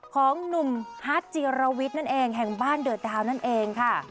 ของหนุ่มฮัทจีรวิทย์นั่นเองแห่งบ้านเดือดดาวนั่นเองค่ะ